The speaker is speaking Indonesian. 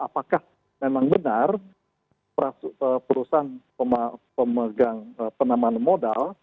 apakah memang benar perusahaan pemegang penaman modal